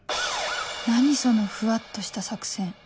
何そのふわっとした作戦